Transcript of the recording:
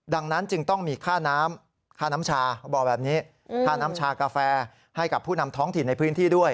ดังนั้นจึงต้องมีค่าน้ำชากาแฟให้ผู้นำท้องถิ่นได้พื้นที่ด้วย